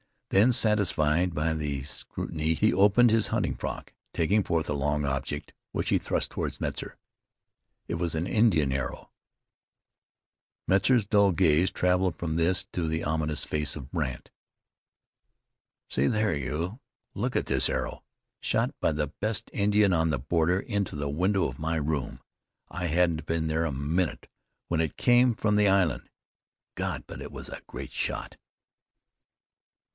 Then, satisfied by the scrutiny he opened his hunting frock, taking forth a long object which he thrust toward Metzar. It was an Indian arrow. Metzar's dull gaze traveled from this to the ominous face of Brandt. "See there, you! Look at this arrow! Shot by the best Indian on the border into the window of my room. I hadn't been there a minute when it came from the island. God! but it was a great shot!"